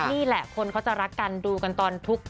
นี่แหละคนเขาจะรักกันดูกันตอนทุกข์